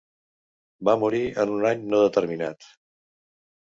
Va morir en un any no determinat.